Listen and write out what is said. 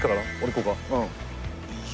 うん。